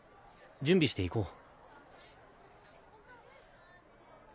準備して行こう。